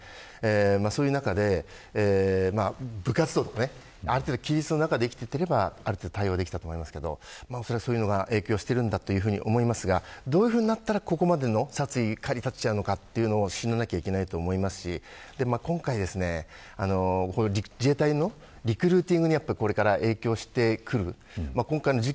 そういう中で部活動とか、ある程度規律の中で生きていければある程度対応できたと思いますがそういうのが影響しているんだと思いますがどういうふうになったらここまでの殺意がかりたてられたのかを知らなければいけないと思いますし今回の自衛隊のリクルーティングにこれから影響してくる。